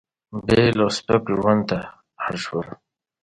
بېل او سپک ژوند ته اړ شول.